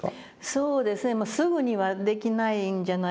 そうですねまあすぐにはできないんじゃないかと思います。